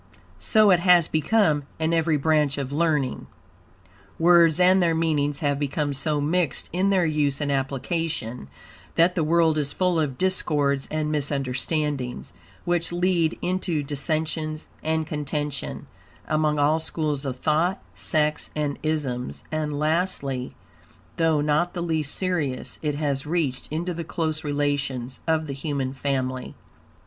So it has become, in every branch of learning. Words and their meanings have become so mixed in their use and application, that, the world is full of discords and misunderstandings, which lead into dissensions and contention, among all schools of thought, sects, and isms; and lastly, though not the least serious, it has reached into the close relations of the human family.